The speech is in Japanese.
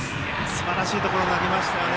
すばらしいところ投げましたね。